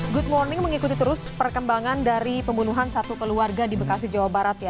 good morning mengikuti terus perkembangan dari pembunuhan satu keluarga di bekasi jawa barat ya